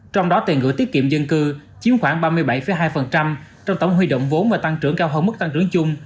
trong đó tiền gửi tiết kiệm dân cư chiếm khoảng ba mươi bảy hai trong tổng huy động vốn và tăng trưởng cao hơn mức tăng trưởng chung